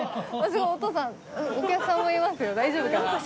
お父さんお客さんもいますよ大丈夫かな。